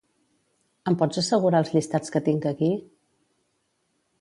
Em pots assegurar els llistats que tinc aquí?